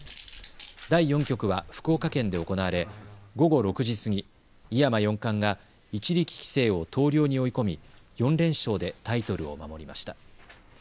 第４局は福岡県で行われ午後６時過ぎ井山四冠が一力棋聖を投了に追い込み４連勝でタイトルを守りました。